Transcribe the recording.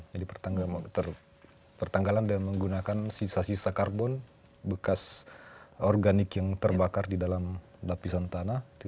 jadi pertanggalan dengan menggunakan sisa sisa karbon bekas organik yang terbakar di dalam lapisan tanah